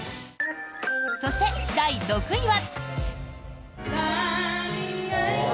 そして、第６位は。